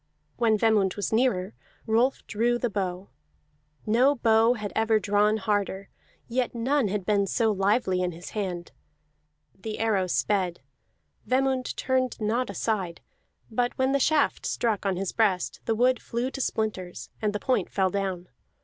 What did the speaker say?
When Vemund was nearer, Rolf drew the bow; no bow had ever drawn harder, yet none had been so lively in his hand. The arrow sped; Vemund turned not aside, but when the shaft struck on his breast the wood flew to splinters, and the point fell down.